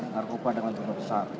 narkoba dengan jualan besar